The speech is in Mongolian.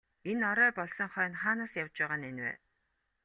Энэ орой болсон хойно хаанаас явж байгаа нь энэ вэ?